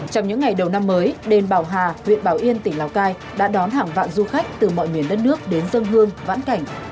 trong những ngày đầu năm mới đền bảo hà huyện bảo yên tỉnh lào cai đã đón hàng vạn du khách từ mọi miền đất nước đến dân hương vãn cảnh